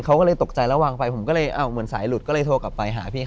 ก็คุยกับเราได้ยิน